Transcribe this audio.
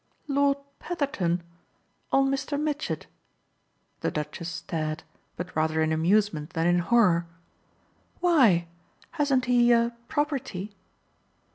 "Lord Petherton on Mr. Mitchett?" The Duchess stared, but rather in amusement than in horror. "Why, hasn't he a property?"